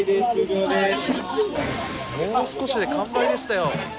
もう少しで完売でしたよ！